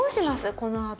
このあと。